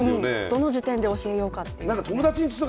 どの時点で教えようかっていう。